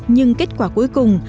nhưng kết quả cuối cùng